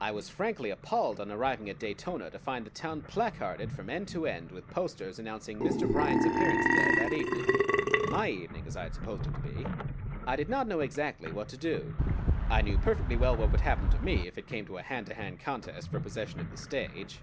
I was frankly appalled on arriving at Daytona to find the town placarded from end to end with posters announcing Mr. Bryan's appearance there that evening my evening, as I had supposed it to be. I did not know exactly what to do. I knew perfectly well what would happen to me if it came to a hand to hand contest for possession of the stage.